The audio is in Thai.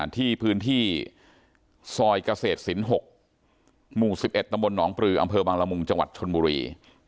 ที่พื้นที่ซอยเกษตรศิลป์๖หมู่๑๑ตำบลหนองปลืออำเภอบังละมุงจังหวัดชนบุรี